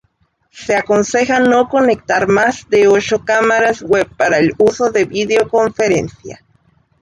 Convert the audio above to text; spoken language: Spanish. Se aconseja no conectar más de ocho cámaras web para el uso de videoconferencia.